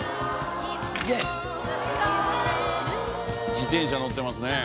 自転車乗ってますね。